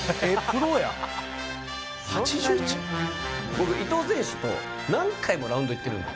僕伊藤選手と何回もラウンド行ってるんで。